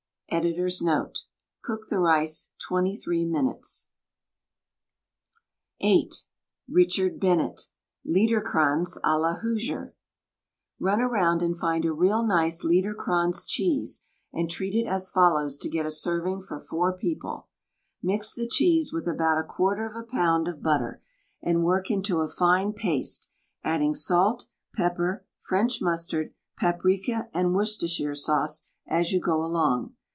Editor's Note: — Cook the rice twenty three minutes. THE STAG COOK BOOK VIII Richard Bennett /. LIEDERKRANZ A LA HOOSIER Run around and find a real nice Liederkranz cheese and treat it as follows to get a serving for four people: Mix the cheese with about a quarter of a pound of butter and work into a fine paste, adding salt, pepper, French mustard, paprika and Worcestershire sauce as you go along.